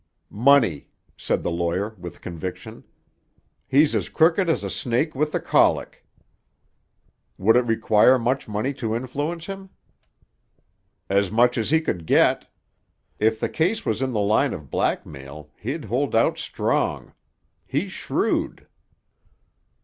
"Money," said the lawyer with conviction. "He's as crooked as a snake with the colic." "Would it require much money to influence him?" "As much as he could get. If the case was in the line of blackmail, he'd hold out strong. He's shrewd."